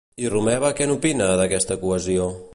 I Romeva què n'opina, d'aquesta cohesió?